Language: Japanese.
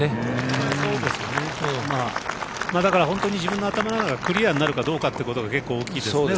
本当に自分の頭の中がクリアになるかどうかということが結構大きいですね